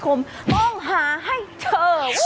คงต้องหาให้เธอ